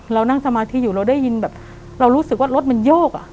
เรานั่งสมาธิอยู่เราได้ยินแบบเรารู้สึกว่ารถมันโยกอ่ะ